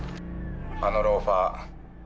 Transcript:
あのローファー。